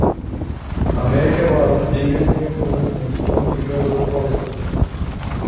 America was the biggest influence in film because of Hollywood.